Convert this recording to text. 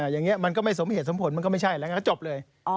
อย่างนี้มันก็ไม่สมเหตุสมผลมันก็ไม่ใช่แล้วก็จบเลย